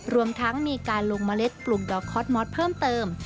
รวมทั้งมีการลงเมล็ดปรุงดอกคอสมอสเพิ่มเติม